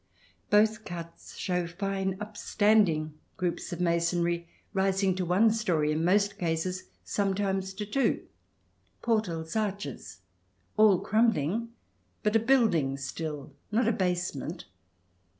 Both cuts show fine upstanding groups of masonry, rising to one story in most cases, some times to two, portals, arches, all crumbling, but a building still, not a basement.